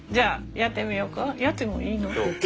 やってもいいの？